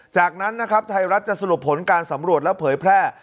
จากนั้นนะครับไทยรัฐจะสรุปผลการสำรวจและเผยแพร่